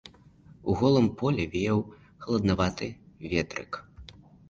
У голым полі веяў халаднаваты ветрык.